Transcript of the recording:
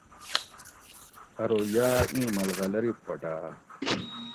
ارو یاۤ ایِں ملغلری پھوٹاۤ